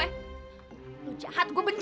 nih udah sampai nah